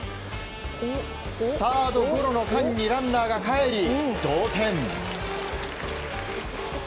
サードゴロの間にランナーがかえり同点。